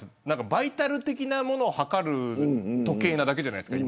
バイタル的なものを計る時計なだけじゃないですか。